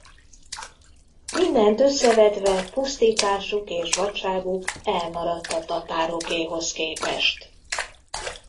Mindent összevetve pusztításuk és vadságuk elmaradt a tatárokéhoz képest.